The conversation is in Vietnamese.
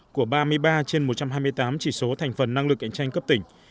của ba mươi ba trên một trăm hai mươi tám chỉ số thành phần năng lực cạnh tranh cấp tỉnh